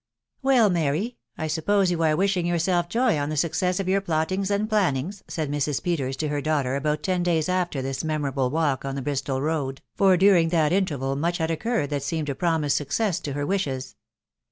" Well, Mary !.... I suppose you are wishing yourself joy on the success of your plottings and plannings/' said Mr* Peters to her daughter about ten days after this memorable walk on the Bristol road, for during that interval much had occurred that seemed to promise success to her wishes.